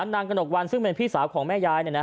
กระหนกวันซึ่งเป็นพี่สาวของแม่ยาย